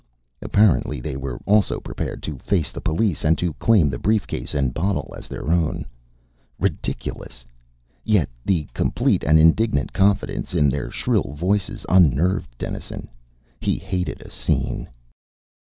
Apparently they were also prepared to face the police and to claim the briefcase and bottle as their own. Ridiculous! Yet the complete and indignant confidence in their shrill voices unnerved Dennison. He hated a scene.